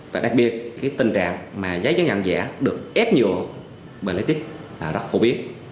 và đặc biệt cái tình trạng mà giấy chứng nhận giả được ép nhựa bởi lý tích là rất phổ biến